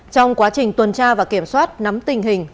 trong quá trình tuần tra và kiểm soát nắm tình hình